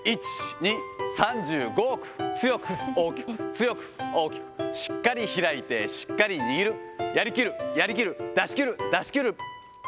１、２、３５億、強く、大きく、強く、大きく、しっかり開いて、しっかり握る、やりきる、やりきる、出し切る、出し切る。